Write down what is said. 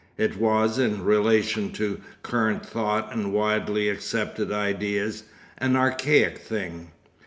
It was, in relation to current thought and widely accepted ideas, an archaic thing.